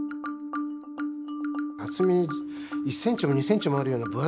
厚み１ｃｍも２ｃｍもあるような本当だ